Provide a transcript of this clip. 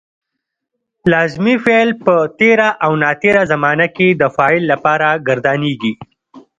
لازمي فعل په تېره او ناتېره زمانه کې د فاعل لپاره ګردانیږي.